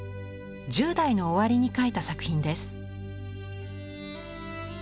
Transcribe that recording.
１０代の終わりに描いた作品です。